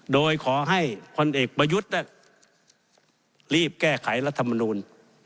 โดยขอให้พลเอกประยุทธ์รีบแก้ไขรัฐมนูล